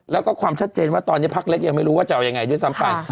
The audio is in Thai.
แล้วก็ความชัดเจนว่าตอนนี้พักเล็กยังไม่รู้ว่าจะเอายังไงด้วยซ้ำไป